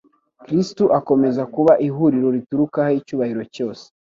Kristo akomeza kuba ihuriro riturukaho icyubahiro cyose.